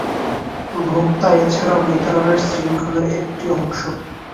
ভোক্তা এছাড়াও বিতরণের শৃঙ্খলের একটি অংশ।